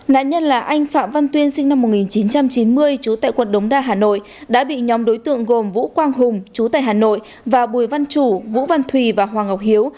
nạn nhân là anh phạm văn tuyên sinh năm một nghìn chín trăm chín mươi chú tại quận đống đa hà nội đã bị nhóm đối tượng gồm vũ quang hùng chú tại hà nội và bùi văn chủ vũ văn thùy và hoàng ngọc hiếu